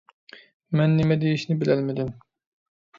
مەن نېمە دېيىشنى بىلەلمىدىم.